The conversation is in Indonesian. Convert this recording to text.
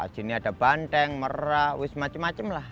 jini ada banteng merah wiss macem macem lah